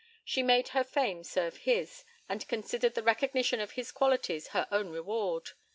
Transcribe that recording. She made her fame serve his, and considered the recognition of his qualities her own reward.